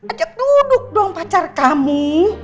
ajak duduk dong pacar kami